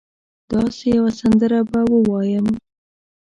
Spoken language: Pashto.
داسي یوه سندره به ووایم